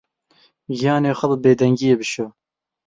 Giyanê xwe bi bêdengiyê bişo.